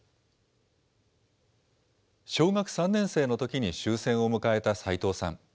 小学３年生のときに終戦を迎えたさいとうさん。